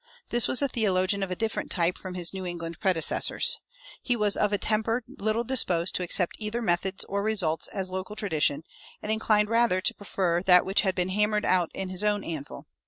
This was a theologian of a different type from his New England predecessors. He was of a temper little disposed to accept either methods or results as a local tradition, and inclined rather to prefer that which had been "hammered out on his own anvil."